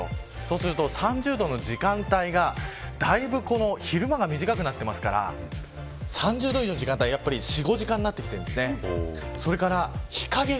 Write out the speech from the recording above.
すると、３０度の時間帯が昼間が短くなってきているので３０度の時間帯は４、５時間になってきています。